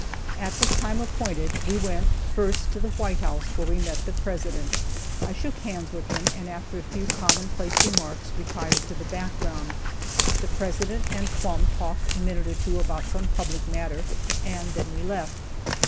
At the time appointed we went, first to the White House, where we met the President. I shook hands with him, and after a few commonplace remarks, retired to the background. The President and Plumb talked a minute or two about some public matter, and then we left.